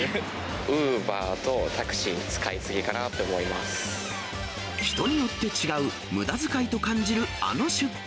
ウーバーとタクシー、使い過人によって違うむだづかいと感じるあの出費。